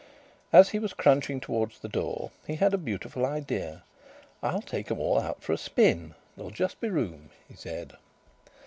As he was crunching towards the door, he had a beautiful idea: "I'll take 'em all out for a spin. There'll just be room!" he said.